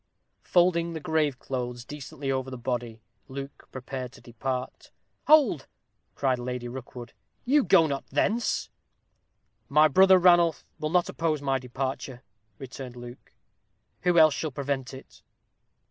Folding the graveclothes decently over the body, Luke prepared to depart. "Hold!" cried Lady Rookwood; "you go not hence." "My brother Ranulph will not oppose my departure," returned Luke; "who else shall prevent it?"